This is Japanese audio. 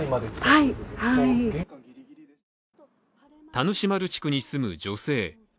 田主丸地区に住む女性。